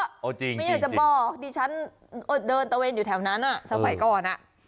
อ่ะจริงจริงไม่อยากจะบอกดิฉันอยู่แถวนั้นอะสมัยก่อนอ่ะ